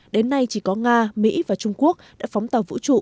đến nay chỉ có nga mỹ và trung quốc đã phóng tàu vũ trụ